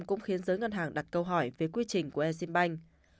cũng khiến giới ngân hàng đặt câu hỏi về quy trình của e sim banh